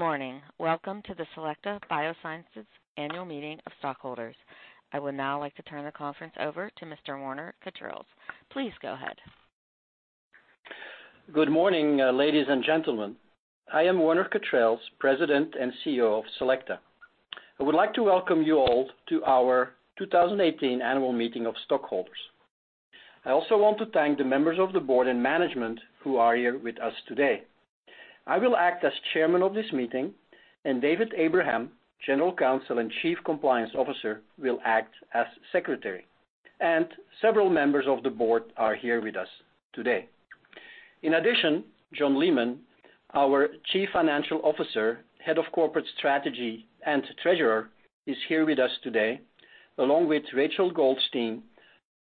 Good morning. Welcome to the Selecta Biosciences Annual Meeting of Stockholders. I would now like to turn the conference over to Mr. Werner Cautreels. Please go ahead. Good morning, ladies and gentlemen. I am Werner Cautreels, President and CEO of Selecta. I would like to welcome you all to our 2018 Annual Meeting of Stockholders. I also want to thank the members of the board and management who are here with us today. I will act as Chairman of this meeting. David Abraham, General Counsel and Chief Compliance Officer, will act as Secretary. Several members of the board are here with us today. In addition, John Lehman, our Chief Financial Officer, Head of Corporate Strategy, and Treasurer, is here with us today, along with Rachel Goldstein,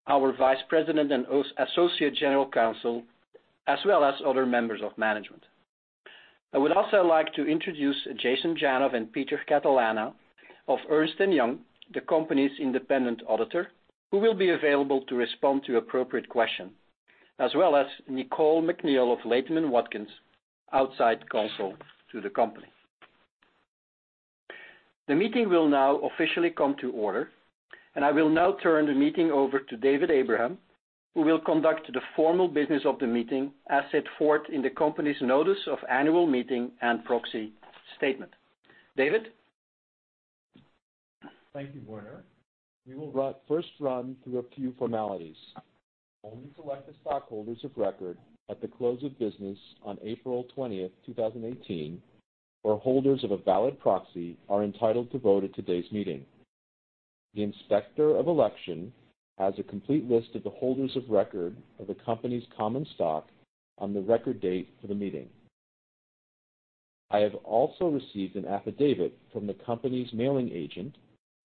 our Vice President and Associate General Counsel, as well as other members of management. I would also like to introduce Jason Janoff and Peter Catalano of Ernst & Young, the company's independent auditor, who will be available to respond to appropriate questions, as well as Nicole McNeil of Latham & Watkins, outside counsel to the company. The meeting will now officially come to order. I will now turn the meeting over to David Abraham, who will conduct the formal business of the meeting as set forth in the company's notice of annual meeting and proxy statement. David? Thank you, Werner. We will first run through a few formalities. Only Selecta stockholders of record at the close of business on April 20th, 2018, or holders of a valid proxy are entitled to vote at today's meeting. The Inspector of Election has a complete list of the holders of record of the company's common stock on the record date for the meeting. I have also received an affidavit from the company's mailing agent,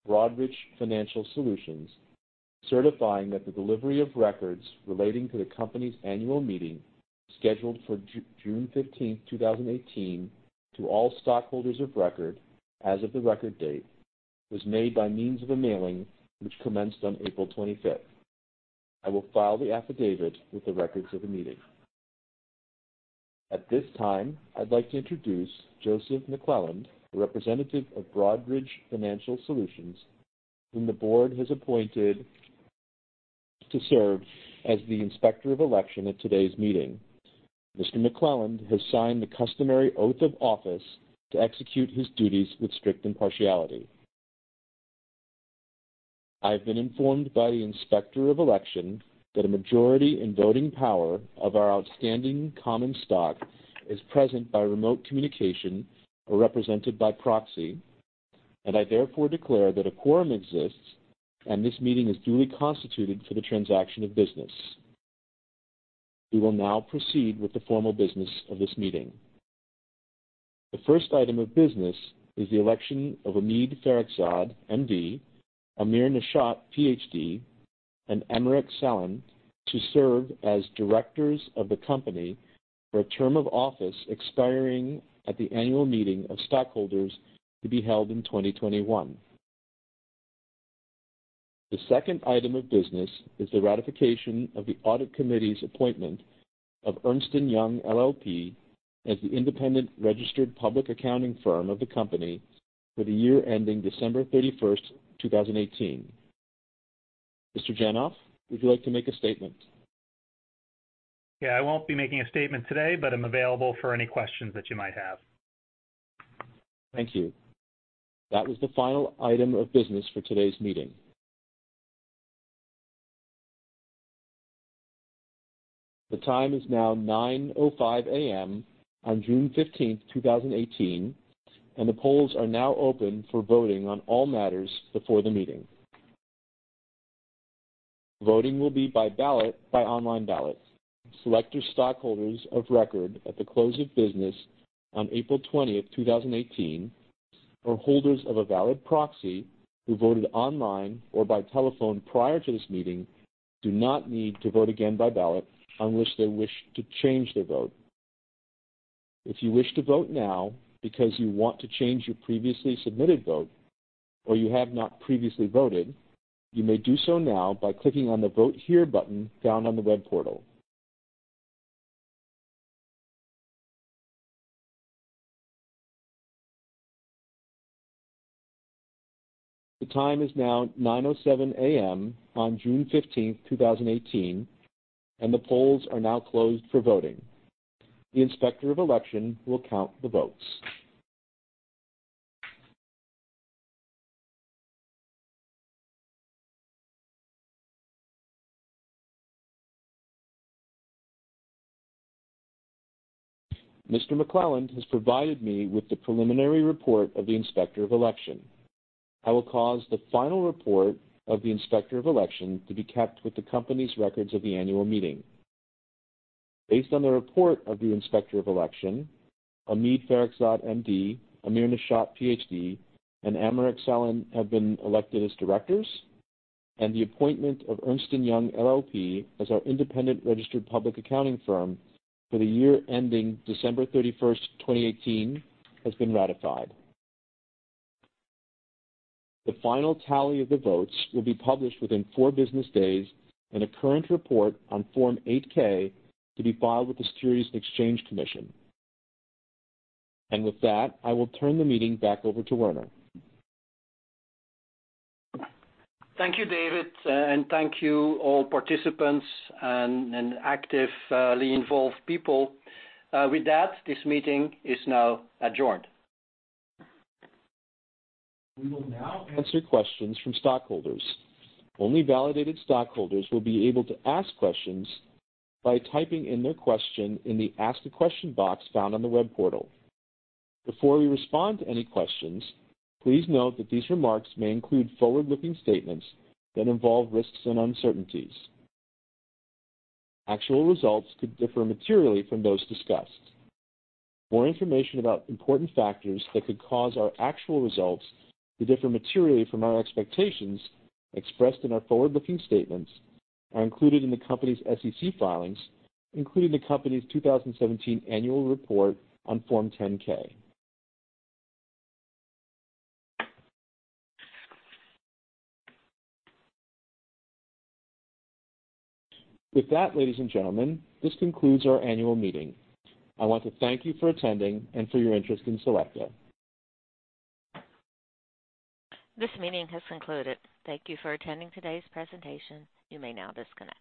Broadridge Financial Solutions, certifying that the delivery of records relating to the company's annual meeting, scheduled for June 15th, 2018, to all stockholders of record as of the record date, was made by means of a mailing which commenced on April 25th. I will file the affidavit with the records of the meeting. At this time, I'd like to introduce Joseph McClelland, a representative of Broadridge Financial Solutions, whom the board has appointed to serve as the Inspector of Election at today's meeting. Mr. McClelland has signed the customary oath of office to execute his duties with strict impartiality. I have been informed by the Inspector of Election that a majority in voting power of our outstanding common stock is present by remote communication or represented by proxy, and I therefore declare that a quorum exists, and this meeting is duly constituted for the transaction of business. We will now proceed with the formal business of this meeting. The first item of business is the election of Omid Farokhzad, MD, Amir Nashat, PhD, and Amrik Sallan to serve as directors of the company for a term of office expiring at the annual meeting of stockholders to be held in 2021. The second item of business is the ratification of the audit committee's appointment of Ernst & Young LLP as the independent registered public accounting firm of the company for the year ending December 31st, 2018. Mr. Janov, would you like to make a statement? Yeah. I won't be making a statement today, but I'm available for any questions that you might have. Thank you. That was the final item of business for today's meeting. The time is now 9:05 A.M. on June 15th, 2018, and the polls are now open for voting on all matters before the meeting. Voting will be by ballot by online ballot. Selecta stockholders of record at the close of business on April 20th, 2018, or holders of a valid proxy who voted online or by telephone prior to this meeting, do not need to vote again by ballot unless they wish to change their vote. If you wish to vote now because you want to change your previously submitted vote, or you have not previously voted, you may do so now by clicking on the Vote Here button found on the web portal. The time is now 9:07 A.M. on June 15th, 2018, and the polls are now closed for voting. The Inspector of Election will count the votes. Mr. McClelland has provided me with the preliminary report of the Inspector of Election. I will cause the final report of the Inspector of Election to be kept with the company's records of the annual meeting. Based on the report of the Inspector of Election, Omid Farokhzad, MD, Amir Nashat, PhD, and Amrik Sallan have been elected as directors, and the appointment of Ernst & Young LLP as our independent registered public accounting firm for the year ending December 31st, 2018, has been ratified. The final tally of the votes will be published within four business days in a current report on Form 8-K, to be filed with the Securities and Exchange Commission. With that, I will turn the meeting back over to Werner. Thank you, David, and thank you all participants and actively involved people. With that, this meeting is now adjourned. We will now answer questions from stockholders. Only validated stockholders will be able to ask questions by typing in their question in the Ask a Question box found on the web portal. Before we respond to any questions, please note that these remarks may include forward-looking statements that involve risks and uncertainties. Actual results could differ materially from those discussed. More information about important factors that could cause our actual results to differ materially from our expectations expressed in our forward-looking statements are included in the company's SEC filings, including the company's 2017 annual report on Form 10-K. With that, ladies and gentlemen, this concludes our annual meeting. I want to thank you for attending and for your interest in Selecta. This meeting has concluded. Thank you for attending today's presentation. You may now disconnect.